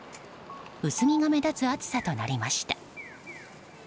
薄着が目立つ暑さとなりました。